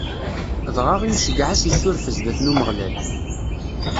Dɣa Imceyyeɛ ad s-issuref zdat n Umeɣlal.